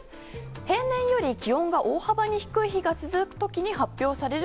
平年より気温が大幅に低い日が続く時に発表される